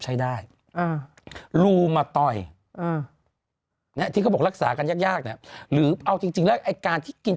ใช้ได้ลูมาต่อยที่เขาบอกรักษากันยากหรือเอาจริงแล้วการที่กิน